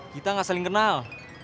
kita gak saling kenal